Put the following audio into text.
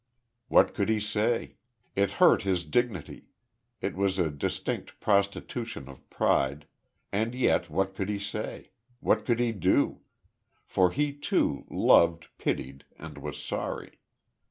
What could he say? It hurt his dignity it was a distinct prostitution of pride and yet, what could he say? What could he do? For he, too, loved, pitied, and was sorry.